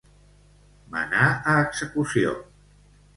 Menar a execució.